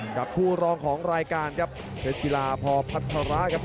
กับผู้รองของรายการครับเชิญศีลาพอพัทธาระครับ